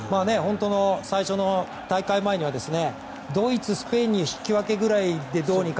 最初の大会前にはドイツ、スペインに引き分けぐらいでどうにか。